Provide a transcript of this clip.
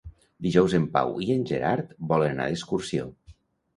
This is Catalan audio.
Dijous en Pau i en Gerard volen anar d'excursió.